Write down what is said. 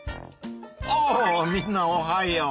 あみんなおはよう！